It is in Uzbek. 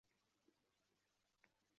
Xotin zoti mushukka o'xshaydi